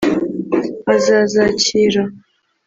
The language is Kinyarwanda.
azazakira